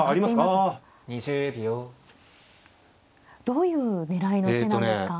どういう狙いの手なんですか。